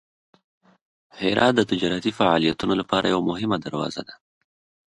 هرات د تجارتي فعالیتونو لپاره یوه مهمه دروازه ده.